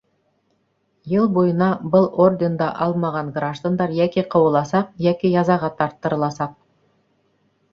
Йыл буйына был орден да алмаған граждандар йәки ҡыуыласаҡ, йәки язаға тарттырыласаҡ.